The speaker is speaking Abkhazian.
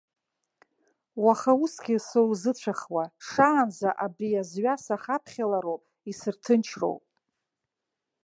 Уаха усгьы соузыцәахуа, шаанӡа абри азҩа сахаԥхьалароуп, исырҭынчроуп.